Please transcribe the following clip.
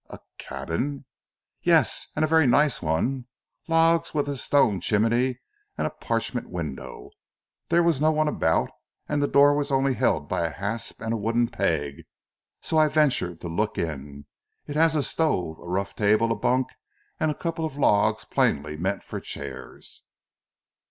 "A cabin?" "Yes, and a very nice one, logs with a stone chimney and a parchment window. There was no one about, and the door was only held by a hasp and a wooden peg, so I ventured to look in. It has a stove, a rough table, a bunk and a couple of logs plainly meant for chairs."